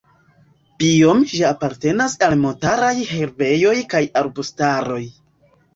Biome ĝi apartenas al montaraj herbejoj kaj arbustaroj.